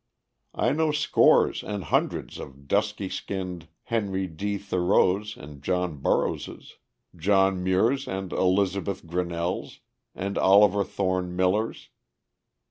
I know scores and hundreds of dusky skinned Henry D. Thoreaus and John Burroughses, John Muirs and Elizabeth Grinnells and Olive Thorne Millers.